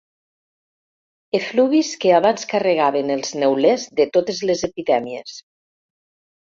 Efluvis que abans carregaven els neulers de totes les epidèmies.